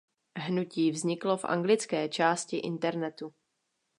Hnutí vzniklo v anglické části internetu.